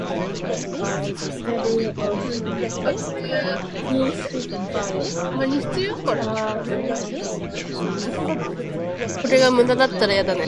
To deal with the shocks, fiscal policy became more expansionary while privatization receipts declined.